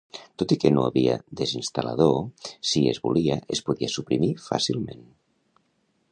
Tot i que no hi havia desinstal·lador, si es volia, es podia suprimir fàcilment.